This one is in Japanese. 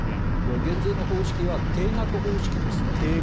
減税の方式は定額方式ですと。